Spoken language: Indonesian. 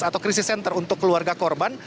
atau krisis center untuk keluarga korban